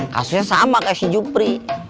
kasusnya sama kayak si jupri